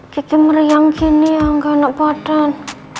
kiki meriang gini ya gak enak badan